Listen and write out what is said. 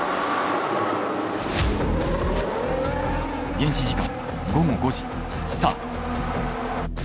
現地時間午後５時スタート。